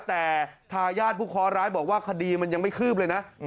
แต่ทายาทผู้เคาะร้ายบอกว่าคดีมันยังไม่คืบเลยนะ